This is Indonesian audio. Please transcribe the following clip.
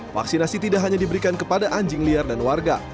vaksinasi tidak hanya diberikan kepada anjing liar dan warga